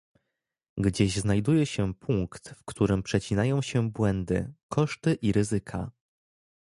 Gdzieś znajduje się punkt, w którym przecinają się błędy, koszty i ryzyka